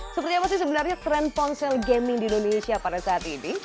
seperti apa sih sebenarnya tren ponsel gaming di indonesia pada saat ini